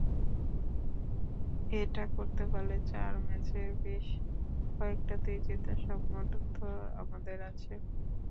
এটা করতে পারলে চার ম্যাচের বেশ কয়েকটাতেই জেতার সামর্থ্য আমাদের আছে।